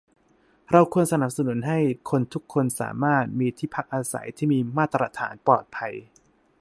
เราควรสนับสนุนให้คนทุกคนสามารถมีที่พักอาศัยที่มีมาตรฐาน ปลอดภัย